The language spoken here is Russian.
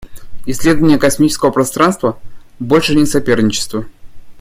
Исследование космического пространства — больше не соперничество.